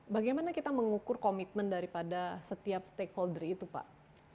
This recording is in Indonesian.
bagaimana kita mengukur komitmen daripada setiap stakeholder itu pak